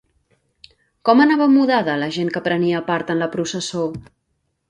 Com anava mudada la gent que prenia part en la processó?